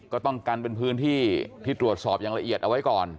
ก็ต้องกันเป็นพื้นที่ที่ตรวจสอบอย่างละเอียดเอาไว้ก่อน